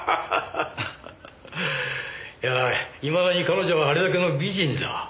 いやぁいまだに彼女はあれだけの美人だ。